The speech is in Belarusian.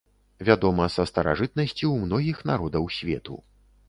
Вядома са старажытнасці ў многіх народаў свету.